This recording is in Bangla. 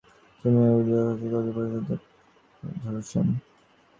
তিনি উর্দু ও ফারসি কবিদের পরিচিতি তুলে ধরেছেন।